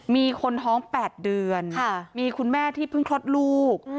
มีคนท้อง๘เดือนมีคุณแม่ที่เพิ่งคลอดลูก